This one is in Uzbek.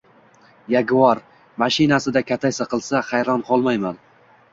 “Yaguar” mashinasida kataysa qilsa, hayron qolmayman.